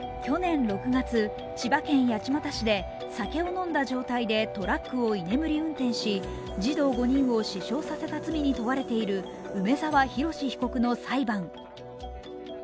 去年６月、千葉県八街市で酒を飲んだ状態でトラックを居眠り運転し、児童５人を死傷した罪に問われている梅沢洋被告の裁判。